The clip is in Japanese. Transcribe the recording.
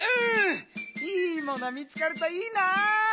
いいもの見つかるといいなあ！